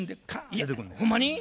ほんまに？